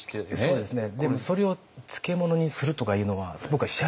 そうですね。